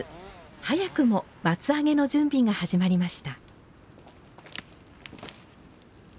早くも松上げの準備が始まりました。